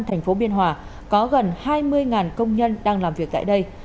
thành phố biên hòa có gần hai mươi công nhân đang làm việc tại đây